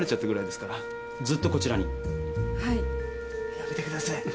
やめてください。